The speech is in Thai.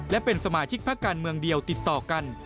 และเป็นสมาชิกพักการเมืองเดียวติดต่อกัน